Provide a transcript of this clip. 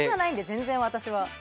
全然、私は。